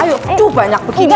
aduh banyak begini